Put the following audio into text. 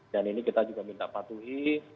dan ini kita juga minta patuhi